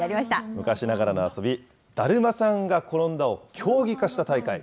昔ながらの遊び、だるまさんがころんだを競技化した大会。